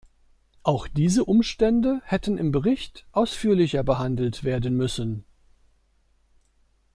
Auch diese Umstände hätten im Bericht ausführlicher behandelt werden müssen.